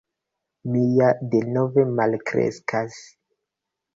“Mi ja denove malkreskas.”